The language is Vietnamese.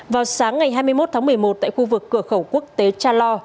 vào sáng ngày hai mươi một tháng một mươi một tại khu vực cửa khẩu quốc tế cha lo